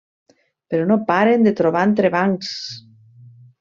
Però no paren de trobar entrebancs.